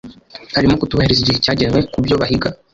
harimo Kutubahiriza igihe cyagenwe kubyo bahiga